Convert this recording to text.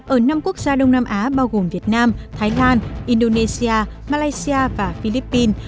ở năm quốc gia đông nam á bao gồm việt nam thái lan indonesia malaysia và philippines